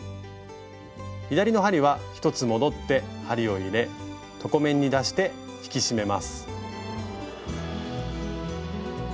左の針は１つ戻って針を入れ床面に出して引き締めます。